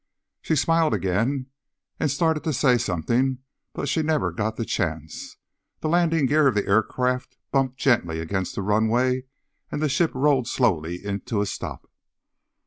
She smiled again, and started to say something, but she never got the chance. The landing gear of the aircraft bumped gently against the runway, and the ship rolled slowly in to a stop.